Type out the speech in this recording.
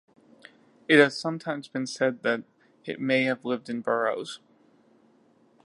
It has sometimes been said that it may have lived in burrows.